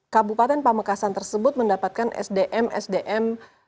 kabupaten pamekasan tersebut mendapatkan sdm sdm